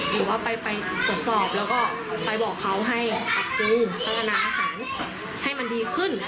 หรือว่าไปตรวจสอบแล้วก็ไปบอกเขาให้ดูพัฒนาอาหารให้มันดีขึ้น